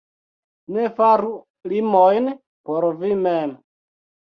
Ne faru limojn por vi mem.